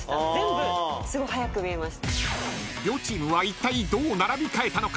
［両チームはいったいどう並び替えたのか？］